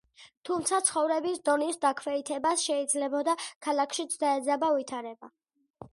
თუმცა ცხოვრების დონის დაქვეითებას შეიძლებოდა ქალაქშიც დაეძაბა ვითარება.